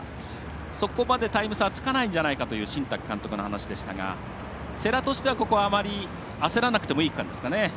そこまでタイム差はつかないんじゃないかという新宅監督の話でしたが世羅としてはあまり焦らなくてもいい感じですかね。